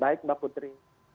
baik mbak putri